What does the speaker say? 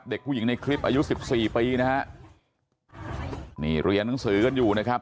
เด็กผู้หญิงในคลิปอายุสิบสี่ปีนะฮะนี่เรียนหนังสือกันอยู่นะครับ